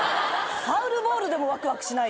ファウルボールでもワクワクしないよ。